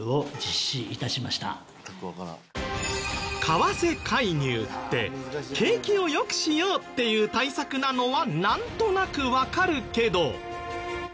為替介入って景気を良くしようっていう対策なのはなんとなくわかるけど。